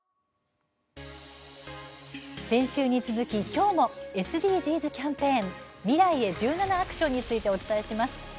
先週に続ききょうもＳＤＧｓキャンペーン「未来へ１７ａｃｔｉｏｎ」についてお伝えします。